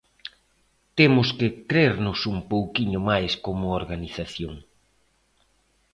Temos que crernos un pouquiño máis como organización.